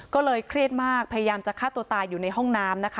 ก็เลยเครียดมากพยายามจะฆ่าตัวตายอยู่ในห้องน้ำนะคะ